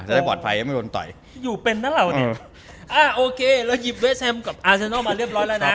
อยู่เป็นน่ะเราเนี้ยอ่าโอเคเราหยิบเวสแฮมกับอาร์เซนอลมาเรียบร้อยแล้วน่ะ